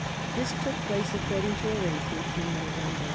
Tliis took place, according to arrange ment, in November.